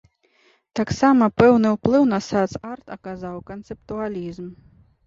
Таксама пэўны ўплыў на сац-арт аказаў канцэптуалізм.